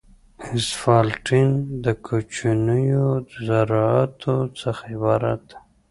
اسفالټین د کوچنیو ذراتو څخه عبارت دی